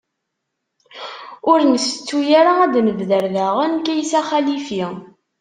Ur ntettu ara ad d-nebder daɣen Kaysa Xalifi.